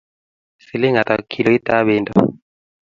siling ata kiloitab bendo